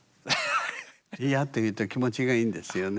嫌と言うと気持ちがいいんですよね。